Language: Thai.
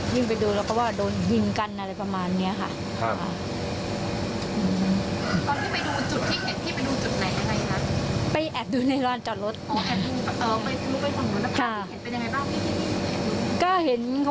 ไปดูแล้วก็ว่าโดนยิงกันอะไรประมาณนี้ค่ะ